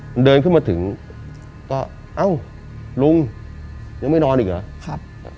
มันเดินขึ้นมาถึงก็เอ้าลุงยังไม่นอนอีกเหรอครับ